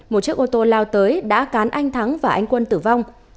một chiếc ô tô lao tới đã cán anh thắng và anh quân tử vong